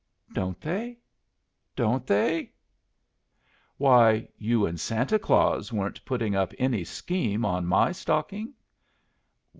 "Don't they? Don't they?" "Why, you and Santa Claus weren't putting up any scheme on my stocking?"